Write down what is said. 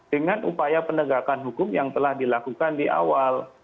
dengan upaya penegakan hukum yang telah dilakukan di awal